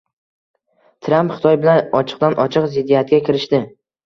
Tramp Xitoy bilan ochiqdan ochiq ziddiyatga kirishdi.